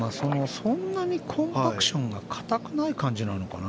そんなにコンパクションが硬くない感じなのかな。